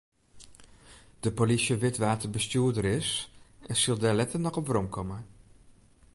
De polysje wit wa't de bestjoerder is en sil dêr letter noch op weromkomme.